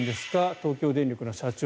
東京電力の社長。